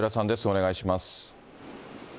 お願いします。